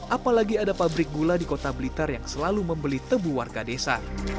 apalagi ada pabrik gula di kota blitar yang selalu membeli tebu warga desa